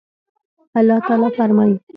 الله تعالى فرمايي